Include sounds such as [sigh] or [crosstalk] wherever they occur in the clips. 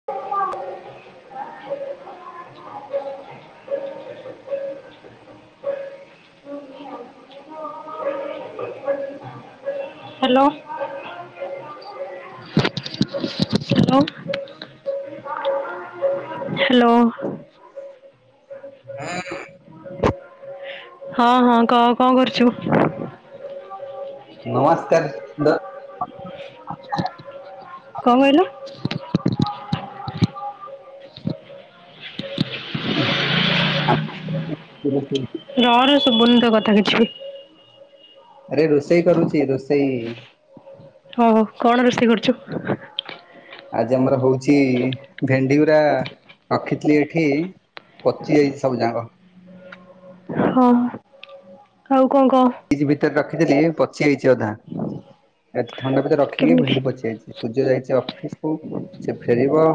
[unintelligible] Hello. Hello. Hello. ହୁଁ। ହଁ ହଁ କହ କଣ କରୁଛୁ? ନମସ୍କାର ଦ କଣ କହିଲ? ହ ଆ। [inaudible] ରହ ରେ ଶୁଭୁନି ତୋ କଥା କିଛି। ଆରେ ରୋଷେଇ କରୁଛି ରୋଷେଇ। ଓ ହୋ କଣ ରୋଷେଇ କରୁଛୁ? ଆଜି ଆମର ହଉଛି ଭେଣ୍ଡିଗୁରା ରଖିଥିଲି ଏଠି ପଚି ଯାଇଛି ସବୁ ଯାକ। ହଁ ଆଉ କଣ କହ? ଭିତରେ ରଖିଥିଲି ପଚି ଯାଇଛି ଅଧା ଏତେ ଥଣ୍ଡା ଭିତରେ ରଖିକି କେମିତି ଭେଣ୍ଡି ପଚିଯାଇଛି। ପୂଜ ଯାଇଛି ଅଫିସକୁୁ ସେ ଫେରିବ।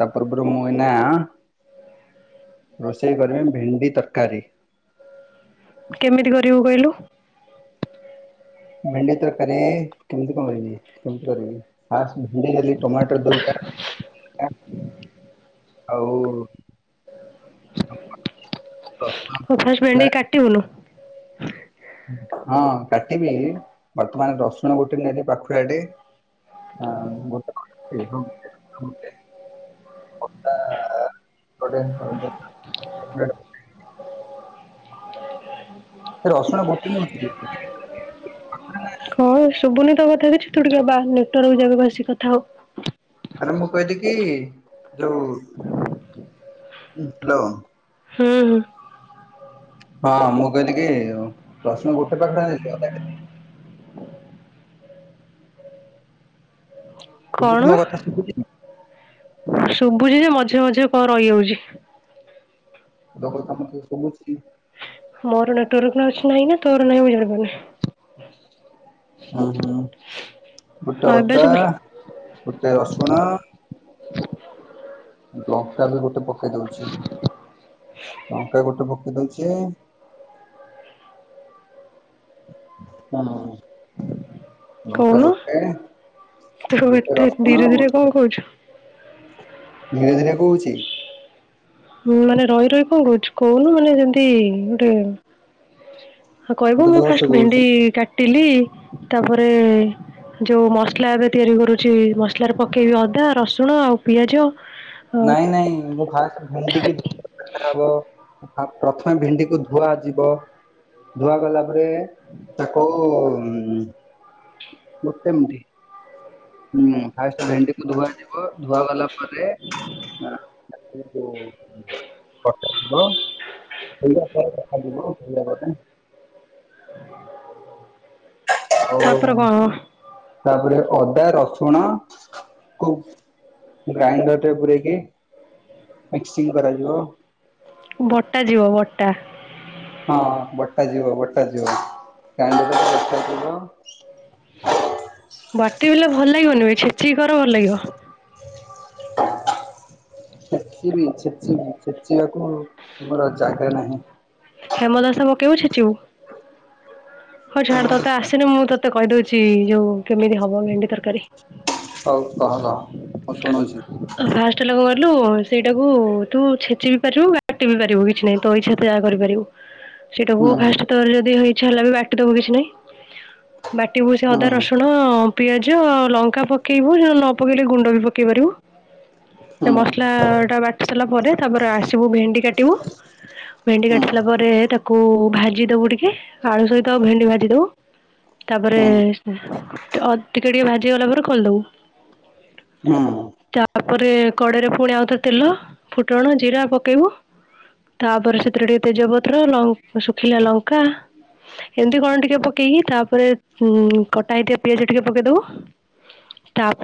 ତାପପରେ ପରେ ମୁଁ ଏଇ ନାଁ ରୋଷେଇ କରିବି ଭେଣ୍ଡି ତରକାରୀ। କେମିତି କରିବୁ କହିଲୁ? ଭେଣ୍ଡି ତରକାରୀ କେମିତି କରିବି କେମିତି କରିବି। ହ ଭିଣ୍ଡ ନେଲି ଟୋମାଟୋ ଦରକାର ଆଉ ଆଉ ଫାଷ୍ଟ ରସୁଣ ଭେଣ୍ଡି କୁ କାଟିବୁନି। ହଁ କାଟିବି ବର୍ତ୍ତମାନ ରସୁଣ ଗୋଟେ ନେଲେ ପାଖୁୁଡାଟେ। ହଁ। [unintelligible] ଅଦା ଆ ଗୋଟେ। [unintelligible] ସେ ରସୁଣା ଗୋଟି ନଉଛି। [inaudible] ହଁ ସୁଭୁନି ତ କଥା କିଛି ତୁଟିକେ ନେଟୱର୍କ ଜାଗାକୁ ଆସିକି କଥା ହୋ। ଆରେ ମୁଁ କହଥିଲି କି ଯୋଉ ହ୍ୟାଲୋ। ହୁଁ। ହଁ ମୁଁ କହିଲି କି ପରସୁଣ ଗୋଟେ ପାଖରେ ଆଇଲି। କଣ ଶୁବୁଛି ମୋ କଥା ଶୁଭୁଛି? ଶୁଭୁଛି ଯେ ମଝିରେ ମଝିରେ କଣ ରହିଯାଉଛି। ତୋ କଥା ମୋତେ ସୁବୁଛି। ମୋର ନେଟୱର୍କ ଅଛି ନାହିଁ ନା ତୋର ନାହିଁ ମୁଁ ଜାଣିପାରୁନି। ହୁଁ ହୁଁ ଗୋଟେ ହଁ ଏବେ ଅଦା ଶୁଭିଲା ଗୋଟେ ରସୁଣ ଲଙ୍କା ବି ଗୋଟେ ପକେଇ ଦଉଛି। ଲଙ୍କା ଗୋଟେ ପକେଇ ଦଉଛି। ହଁ ଲଙ୍କା କହୁନୁ ଗୋଟେ ଗୋଟେ ରସୁଣ କହୁଛ ଧୀରେ ଧୀରେ କହୁଛି ହୁ ମାନେ ରହି ରହି କଣ କହୁଛି କହୁନୁ ମାନେ ଯେମତି ଗୋଟେ ସେ କହିଲେ ତ ମୁଁ ଜୋରସେ ଫାଷ୍ଟ କହୁଛି ଭେଣ୍ଡି କାଟିଲି ତାପରେ ଯୋଉ ମସଲା ଏବେ ତିଆରି କରୁଛି ମସଲାରେ ପକେଇବି ଅଦା ରସୁଣ ଆଉ ପିଆଜ ନାଇଁ ନାଇଁ ମୁଁ ଖା ଭେଣ୍ଡିି ହବ ଆ ପ୍ରଥମେ ଭେଣ୍ଡିକୁୁ ଧୁଆ ଯିବ ଧୁଆ ଗଲା ପରେ ତାକୁ ଗୋଟେ ମୁ ହୁଁ ଫାଷ୍ଟ ଭେଣ୍ଡିକୁୁ ଧୁଆ ଯିବ ଧୁଆ ଗଲା ପରେ ଉ [unintelligible] [unintelligible] ତାପର ଆଉ କଣ? ତାପରେ ଅଦା ରସୁଣ କୁ? ସେ ଗ୍ରାଇଣ୍ଡରରେ ଟେ ପୁରେଇକି ମିକସିଂ କରାଯିବ ବଟା ଯିବ ବଟା ହଁ ବଟା ଯିବ ବଟା ଜିବ ଗ୍ରାଇଣ୍ଡର ବଟାଜିବ ବାଟି ବଲେ ଭଲ ଲାଗିବନି ଏ ଛେଚିକି କର ଭଲ ଲାଗିବ ଛେଚିବି ଛେଚିବି ଛେଚିବାକୁ ତମର ଜାଗା ନାହିଁ ହେମ ଦସା ପକେଇବୁ ଛେଚିବୁ ହଁ ଝାଡ ତୋତେ ଆସିନୁ ମୁଁ ତତେ ତ କହିଦେଉଛି ଯେଉଁ କେମିତି ହେବ ଭେଣ୍ଡି ତରକାରୀ ହଉ କହ କହ ମୁଁ ଶୁଣୁଛି ଫାଷ୍ଟଟା ଲୋକ କିଲୁ ସେଇଟାକୁ ତୁ ଛେଚି ବି ପାରିବୁ କାଟଟିିବ ବି ପାରିବୁ କିଛି ନାହିଁ ତ ଇଚ୍ଛାତ ଯାହା କରିପାରିବୁ ହୁଁ ସେଇଟାକୁ ଫାଷ୍ଟ ତର ଯଦି ହେଇଛି ହେଲା ବି ବାଟ୍ ଦବୁ କିଛି ନାହିଁ ବାଟି ବୁ ସେ ହୁଁ ଅଦା ରସୁଣ ପିଆଜ ଆଉ ଲଙ୍କା ପକେଇବୁ ହେରା ନ ପକେଇଲେ ଗୁଣ୍ଡ ବି ପକେଇ ପାରିବୁ ସେ ହୁଁ ମସଲା ଟା ବାଟି ସାରିଲା ପରେ ତାପରେ ଆସିବୁ ଭେଣ୍ଡି କାଟିବୁ ଭେଣ୍ଡି ହୁଁ କାଟି ସାଇଲା ପରେ ତାକୁ ଭାଜି ଦବୁ ଟିକେ ଆଳୁ ସହିତ ଆଉ ଭେଣ୍ଡି ଭାଜି ଦବୁ ତାପରେ ହୁଁ ହଁ ଅ ଟିକେ ଟିକେ ଭାଜିଗଲା ପରେ ଖୋଲିଦବୁ ହଁ ତାପରେ କଡେଇରେ ପୁଣି ଆଉ ତ ତେଲ ଫୁଟଣ ଜିରା ପକେଇବୁ ତାପରେ ସେଥିରେ ଟିକେ ତେଜପତ୍ର ଲ ଶୁଖିଲା ଲଙ୍କା ଏମିତି କଣ ଟିକେ ପକେଇକି ତାପରେ ଉ କଟା ହେଇଥିବା ପିଆଜ ଟିକେ ପକେଇଦବୁ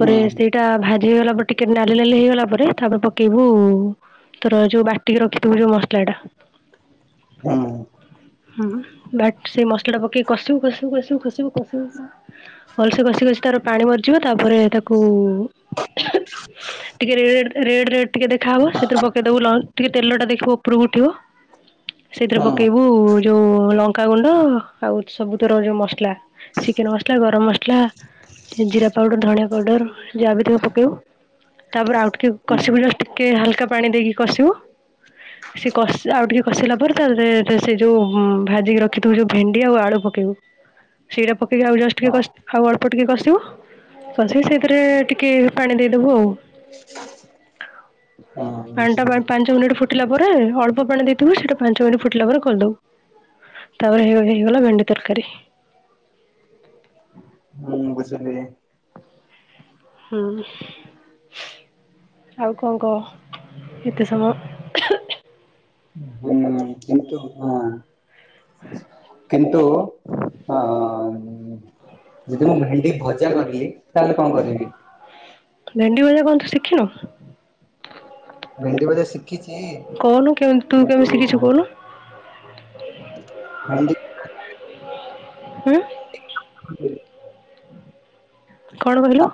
ହୁଁ ସେଇଟା ଭା ଇଗଲା ପରେ ଟିକେ ନାଲି ନାଲି ହେଇଗଲା ପରେ ତାପରେ ପକେଇବୁ ତୋର ଯୋଉ ବାଟିକି ରଖିଥିବୁ ଯୋଉ ମସଲା ଟା ହଁ ହୁଁ ବାଟ ସେଇ ମସଲା ଟା ପକେଇି କଷିବୁ କଷିବୁ କଷିବୁ କଷିବୁ କଷିବୁ ପୁରା ଭଲସେ ଘଷି ଘଷି ତାର ପାଣି ମରିଯିବ ତାପରେ ତାକୁ ଟିକେ ରେ ରେଡ ରେଡ ଟିକେ ଦେଖାହେବ ସେଥିରେ ପକେଇଦବୁ ଲନ୍ ଟିକେ ତେଲ ଟା ଦେଖିବ ଉପରକୁ ଉଠିବ ସେଇଥିରେ ପକେଇବୁ ଯୋଉ ଲଙ୍କାଗୁଣ୍ଡ ଆଉ ସବୁ ତର ଯୋଉ ମସଲା ଚିକେନ ମସଲା ଗରମ ମସଲା ଜିରା ପାଉଡର ଧଣିଆ ପାଉଡର ଯାହା ବି ଥିବ ପକେଇବୁ ତାପରେ ଆଉ ଟିକେ ହୁଁ କଷିବୁ ଜଷ୍ଟ ଟିକେ ହାଲକା ପାଣି ଦେଇକି କଷିବୁ ସେ କଷ ଆଉ ଟିକେ କଷିଲା ପରେ ତା ଦେରେ ଦେ ସେ ଯୋଉ ହଁ ଭାଜିକି ରଖିଥିବୁ ଯୋଉ ଭେଣ୍ଡି ଆଉ ଆଳୁ ପକେଇବୁ। ସେଇଟା ପକେଇକି ଆଉ ଜଷ୍ଟ ଟିକେ ହଁ କଷ୍ ଆଉ ଅଳ୍ପ ଟିକେ କଷିବ। କଷିକି ସେଇଥିରେ ଟିକେ ପାଣି ଦେଇଦବୁ ଆଉ। ହଁ ପାଣିଟା ବୁଝିଲି ପା ପାଞ୍ଚ ମିନିଟ୍ ଫୁଟିଲା ପରେ ଅଳ୍ ପ ପାଣି ଦେଇଥିବୁ ସେଇଟା ପାଞ୍ଚ ମିଣ୍ଟି ଫୁଟିଲା ପରେ ଖୋଲଦବୁ ତାପରେ ହେଇ ହେଇଗଲା ଭେଣ୍ଡି ତରକାରୀ। ଉଁ ବୁଝିଲି। ହୁଁ ଆଉ କଁ କଅ ଏତେ ସମ ହୁଁ କିନ୍ତୁ ହଁ। ହଁ କିନ୍ତୁ ହଁ ଉଁ ଯେଦି ମୁଁ ଭେଣ୍ଡି ଭଜା କଲି ତାହେଲେ କଁ କରିବି? ଭେଣ୍ଡି ଭଜା କଣ ଶିଖିନୁ? ଭେଣ୍ଡି ଭଜା ଶି କହୁନୁ କେମତି ତୁ କେମିତି ଶିଖିଚୁ କୋହୁନୁ। ଭେଣ୍ଡି ହୁଁ। [inaudible] କଣ କହିଲୁ?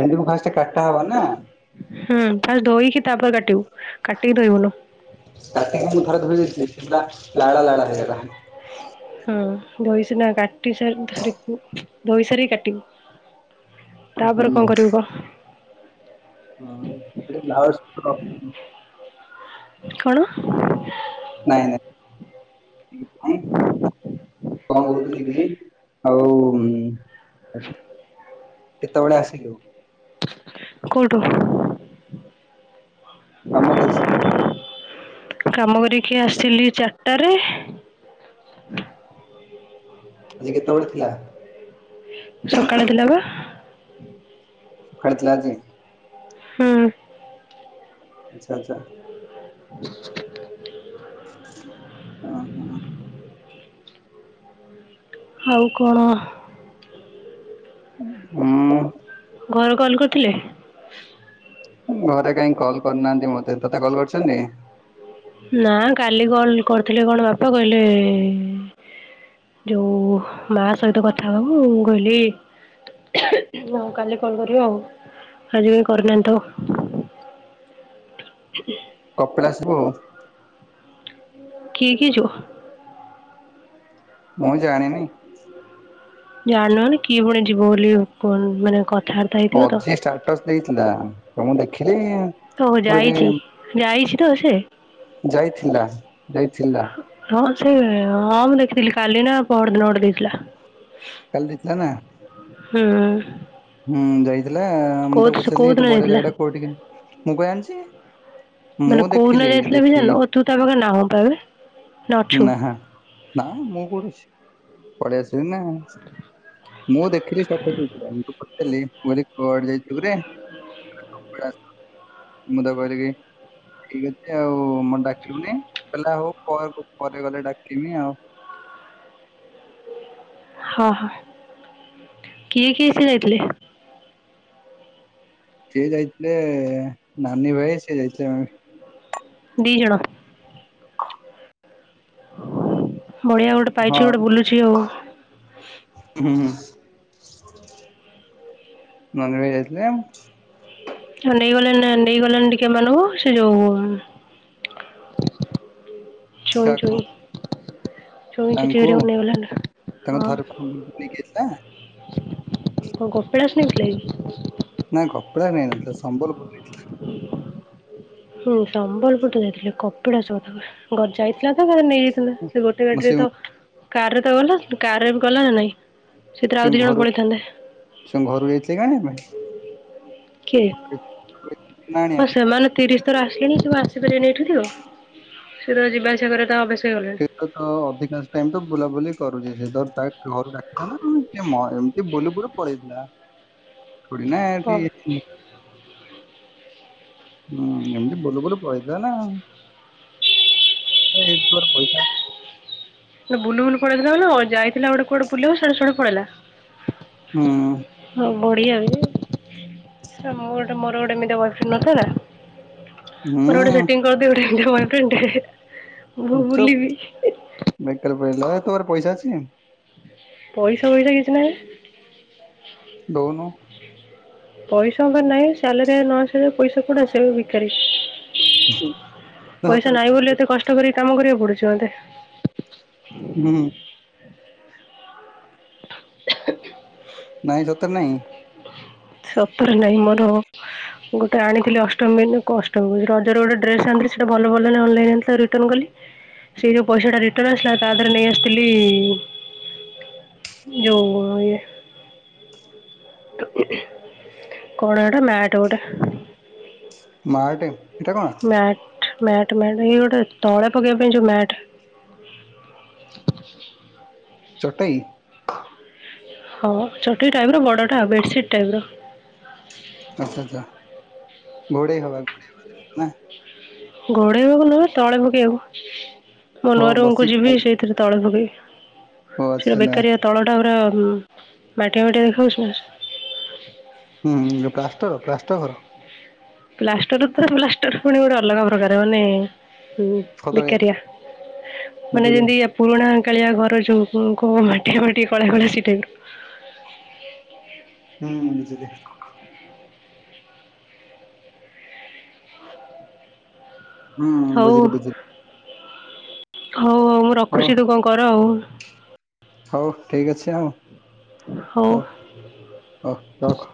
ଭେଣ୍ଡକୁ ଫାଷ୍ଟେ କାଟା ହବ ନା। ହୁଁ ଫାଷ୍ଟ ଧୋଇକି ତାପରେ କାଟିବୁ କାଟିକି ଧୋଇବୁନୁ। ତାତିିକି ମୁଁ ଥରେ ଧୋଇ ଦେଇଥିଲି ସେଉଡ଼ା ଲାଳ ଲାଳ ହେଇଗଲା। ହଁ ବୋହି ସିନା କାଟି ସାରି ଧରିକୁ ଧୋଉ ସାରି କାଟିବୁ। ହୁଁ ତାପରେ କଁ କରିବୁ କ। ହୁଁ ଏଠି ଲାଉଡ଼ ସ୍ପିକର ଅଛି। କଣ? ନାଇଁ ନାଁ ଇ ଫାଇ କଁ କହୁଥୁଲି କି ଆଉ ଆଜି କେତବେଳେ ଆସିଲୁ? କୋଉଠୁ? କାମ କରିସାରିକି। କାମ କରିକି ଆସିଲି ଚାରଟାରେ। ଆଜି କେତବେଳେ ଥିଲା? ସକାଳେ ଥିଲା ବା। ସଖାଳେ ଥିଲା ଆଜି? ହୁଁ। ଆଚ୍ଛା ଆଚ୍ଛା। ହୁଁ ଓ ହଁ। ଆଉ କଣ ଉଁ? ଘରଙ କଲ୍ କରିଥିଲେ? ଘରେ କାହିଁ କଲ୍ କରିନାହାନ୍ତି ମତେ ତତେ କଲ୍ କରିଛନ୍ତି? ନାଁ କାଲି କଲ୍ କରିଥିଲେ କଣ ବାପା କହିଲେ ଯୋଉ ମା ସହିତ କଥା ହବୁ ମୁଁ କହିଲି ହୋଉ କାଲି କଲ କରିବ ଆଉ ଆଜି କାଇଁ କରିନାହାନ୍ତି ତ। ହ କପିଳାସ ଯିବୁ। କିଏ କିଏ ଯିବ? ମୁଁ ଜାଣିନି। ଜାଣନ ମାନେ କିଏ ଫୁଣ ଯିବ ବୋଲି କ ମାନ କଥାଆର ଅଜି ଷ୍ଟାଟସ୍ ଦେଇଥିଲା ତ ମୁଁ ଦେଖିଲି ଓହୋ ମୁଁ କହିଲି ଯାଇଚି ଯାଇଛି ତ ସେ? ଯାଇଥିଲା ଯାଇଥିଲା। ହଁ ସେଇ ହଁ ମୁଁ ଦେଖିଥିଲି କାଲି ନା ପହରଦିନ ଗୋଟେ ଦେଇଥିଲା। କାଲି ଦେଇଥିଲା ନା। ହୁଁଉଁ। ହୁଁ ଯାଇଥିଲା ମୁଁ ତାକୁ ପଚାରିଲି କୋଉ ଦିନ ଏତେ ବଢିଆ ଯାଇଥିଲା? ଜାଗାଟା କୋଉଟି କେମ ମୁଁ କଣ ଜାଣଚି? ମାନେ କୋଉଦିନ ଯାଇଥିଲେ ବି ଜାଣଲ ଓହୋ ତୁ ତା ପାଖରେ ନାହୁଁ ପା ଏବେ ନା ଅଛୁ? ନା ମୁଁ କୋଉଠି ଅଛି। ପଳେଇ ଆସଲିଣି ନା ମୁଁ ଦେଖିଲି ଷ୍ଟାଟସ୍ ଦେଇଥିଲା ୟୁଟୁବ୍ ଥିଲି ମୁଁ କହିଲି କୁଆଡେ ଯାଇଥିଲୁ କିରେ କହିଲା କପିଳାସ? ମୁଁ ତାକୁ କହିଲି କିି ଠିକ୍ ଅଛି ଆଉ ମତେ ଡାକିଲୁନି କହିଲା ହୋଉ ପର ହୋଉ ପରେ ଗଲେ ଡାକମି ଆଉ। ହଁ ହଁ କିଏ କିଏ ସେ ଯାଇଥିଲେ? ସିଏ ଯାଇଥିଲେ ନାନୀ ଭାଇ ସିଏ ଯାଇଥିଲେ। [unintelligible] ଦିଇଜଣ ବଢିଆ ଗୋଟେ ପାଇଛୁ ହଁ ଗୋଟେ ବୁଲୁଚି ଆଉ। ହୁଁ ହୁଁ। ନନୀ ଭାଇ ଯାଇଥିଲେ। ହଁ ନେଇଗଲେନି ନା ନେଇଗଲେନି ଟିକେ ଏମାନଙ୍କୁ ସେ ଯୋଉ ଉମ୍ ଚୁଇଁ ଚୁଇଁ କାହାକୁ ଚୁଇଁ ଚୁତି ତାଙ୍କୁ ହେରିକାଙ୍କୁ ନେଇଗଲେଣି ତାଙ୍କୁ ହଁ ଥରେ ପା ଉ ନେଇକି ଯାଇଥିଲା। କଣ କପିଳାସ ନେଇଥିଲା କି? ନାଁ କପିଳାସ ନେଇନଥିଲା ସମ୍ବଲପୁର ନେଇଥି ହୁଁ ସମ୍ବଲପୁର ତ ଯାଇଥିଲେ କପିଳାସ କଥା ଗ ଯାଇଥିଲା ତ କାଳେ ନେଇଯାଇ ଥିଲା ସେ ଗୋଟେ ମୁଁ ଗାଡିରେ ସେ ତ କାରରେ ତ ଗଲା କାରରେ ବି ଗଲା ନା ନାଇଁ? ସେଥିରେ ସେ ଆଉ ଦି ଜଣ ଘରୁ ପଳେଇ ଥାଆନ୍ତେ। ସେ କଣ ଘରୁ ଯାଇଥିଲେ କି ଆଣିବା ପାଇଁ? କିଏ ନା ଆଣିବା ହଁ ପାଇଁ? ସେମାନେ ତିରିଶ୍ ଥର ଆସିଲେଣିି ସବୁ ଆସିପାରିବେନି ଏଠିକୁ ସେତ ଯିବା ଆସିବା କରିବା ତାଙ୍କ ଅଭ୍ୟାସ ହେଇଗଲା ତାଲ ତ ଅଧିକାଂଶ ଟାଇମ୍ ତ ବୁଲାବୁଲି କରୁଚି ସେ ତର ତାକ ଘରୁ ଡାକି ନା କିଏ ମ ଏମତି ବୁଲୁବୁଲୁ ପଳେଇଥିଲା ଥୋଡି ନା ହଁ ଏଠି ଇଏ ଥିଲେ। ହୁଁ ଏମତି ବୁଲବୁଲ ପଲେଇଥିଲା ନା ଆଉ କଣ ହେଇଥିବ ପଇସା ସେ ବୁଲୁବୁଲୁ ପଳେଇଥିଲା ନା ଆଉ ଯାଇଥିଲା କୁଆଡେ ବୁଲିଆକୁ ସିଆଡୁ ସିଆଡୁ ପଳେଇଲା? ହୁଁ। ହଁ ବଢିଆ ବେ ଏ ମୋର ଗୋଟେ ମୋର ଗୋଟେ ଏମିତିଆ ବଏଫ୍ରେଣ୍ଡ ନଥାନ୍ତା ମୋର ଗୋଟେ ହୁଁ ସେଟିଂ କରିଦେ ଗୋଟାଏ ଏମିତିଆ ବଏଫ୍ରେଣ୍ଡଟେ ହେ ହେ। ଚୋପ୍ ବେକରିଆ ପିଲା ଏ ତୋ ପାଖରେ ପଇସା ଅଛି? ପଇସା ଫଇସା କିଛି ନାହିଁ। ଦଉନୁ। ପଇସା ମୋ ପାଖେରେ ନାହିଁ, ସାଲେରୀ ଆଇ ନ ଳଆସିବା ଯାଏ ପଇସା କୋଉଠୁ ଆସିବ ମୁଁ ଭିକାରି। ନା ପଇସା ସତରେ ନହିଁ ବୋଲି ଏତେ କଷ୍ଟ କରି କାମ କରିବାକୁ ପଡ଼ୁଚି ମତେ। ହୁଁ। ନାଇଁ ସତରେ ନାହିଁ? ସତରେ ନାହିଁ ମୋର। ଗୋଟେ ଆଣିଥିଲି ଅଷ୍ଟମୀ ବିନ୍ଦୁ କଷ୍ଟ ହୁଏ। ରଜରେ ଗୋଟେ ଡ୍ରେସ୍ ଆଣିଥିଲି ସେଟା ଭଲ ପଡ଼ିଲାନି, ଅନଲାଇନ୍ ଆଣିଥିଲି ତାକୁ ରିଟର୍ଣ କଲି। ସେଇ ଯୋଉ ପଇସାଟା ରିଟନ୍ ଆସିଲା ତା ଧେରେ ନେଇ ଆସିଥିଲି ଯୋଉ ଇଏ କଣ ହେଟା ମ୍ୟାଟ୍ ଗୋଟେ। ମାଟେ ଏଟା କଣ? ମ୍ୟାଟ୍ ମ୍ୟାଟ୍ ମ୍ୟାଟ୍ ଏଇ ଗୋଟେ ତଳେ ପକେଇବା ପାଇଁ ଯୋଉ ମ୍ୟାଟ୍। ଚଟେଇ? ହଁ ଚଟେଇ ଟାଇପ୍ ର ବଡ଼ଟା ବେଡସିଟ୍ ଟାଇପ୍ ର। ଆଚ୍ଛା ଆଚ୍ଛା ଘୋଡ଼େଇ ହବା ଘୋଡ଼େଇ ହ ଘୋଡ଼େଇ ହବାକୁ ନୁହେଁ ତଳେ ପକେଇବାକୁ ମୋ ନୂଆ ହଉ ରୁମ୍ କୁ ବସିକି ଯିବି ଖାଇ ସେଇ ତେରେ ତଳେ ପକେଇ ଓ ସେରା ଆଚ୍ଛା ନା ବେକାରିଆ ତଳଟା ପୁରା ମାଟିଆ ଫଟିଆ ଦେଖାହଉଛି ନା। ଉଁ ଯୋଉ ପ୍ଲାଷ୍ଟର ପ୍ଲାଷ୍ଟ ଘର? ପ୍ଲାଷ୍ଟର ତ ପ୍ଲାଷ୍ଟର ଫୁଣି ଗୋଟେ ଅଲଗା ପ୍ରକାର ମାନେ ହୁଁ ଖଦଡିଆ ବେକାରଆ ମାନେ ଖଦଡିଆ ଯେନ୍ତି ଆ ପୁରୁଣା କାଳିଆ ଘର ଯୋଉ ଙ୍କ ମାଟିଆ ମାଟି କଳା କଳା ସେଇ ଟାଇପ୍ ର। ହୁଁ ସେଦେ ହୁଁ ହଉ ବୁଝିଲି ବୁଝିଲି ହଉ ହଉ ମୁଁ ରଖୁଚି ତୁ କଁ କର ଆଉ। ହଉ ଠିକ୍ ଅଛି ଆଉ ହଉ ହ ହ ରଖ।